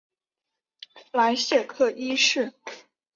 莱谢克一世。